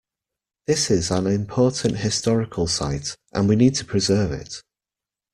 This is an important historical site, and we need to preserve it.